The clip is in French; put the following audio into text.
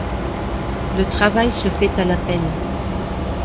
Le travail se fait à la pelle.